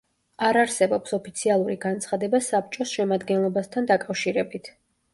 არ არსებობს ოფიციალური განცხადება საბჭოს შემადგენლობასთან დაკავშირებით.